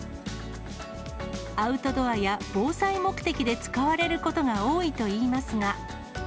アウトドアや防災目的で使われることが多いといいますが。